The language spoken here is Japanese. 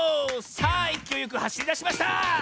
さあいきおいよくはしりだしました！